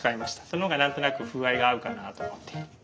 その方が何となく風合いが合うかなと思って。